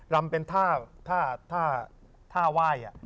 รำเป็นท่าไหว้